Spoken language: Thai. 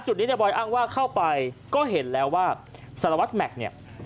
จุดนี้ในบอยอ้างว่าเข้าไปก็เห็นแล้วว่าสารวัตรแม็กซ์เนี่ย